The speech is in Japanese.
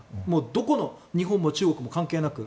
どこの日本も中国も関係なく。